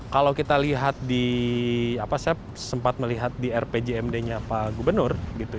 kalau kita lihat di apa saya sempat melihat di rpjmd nya pak gubernur